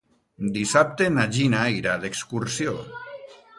Dissabte na Gina irà d'excursió.